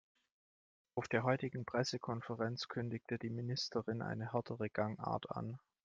Auf der heutigen Pressekonferenz kündigte die Ministerin eine härtere Gangart an.